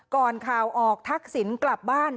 ก่อนข่าวออกทักศิลป์กลับบ้าน